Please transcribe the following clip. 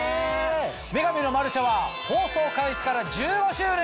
『女神のマルシェ』は放送開始から１５周年！